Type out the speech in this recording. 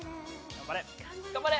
頑張れ！